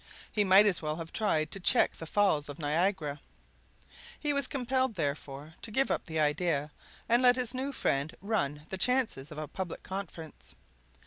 He might as well have tried to check the Falls of Niagara! he was compelled, therefore, to give up the idea, and let his new friend run the chances of a public conference.